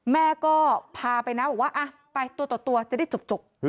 แม่ก็พาไปนะบอกว่าไปตัวจะได้จบ